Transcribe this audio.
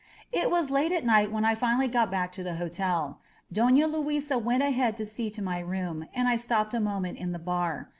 It was late night when I finally got back to the hotel. Dona Luisa went ahead to see to my room, and I stopped a moment in the bar.